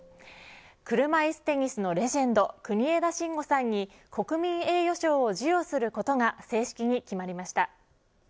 車いすテニスのレジェンド国枝慎吾さんに国民栄誉賞を授与することが正式に決まりました。